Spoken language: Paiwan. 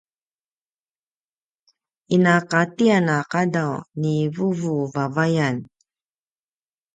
inaqatiyan a qadaw ni vuvu vavayan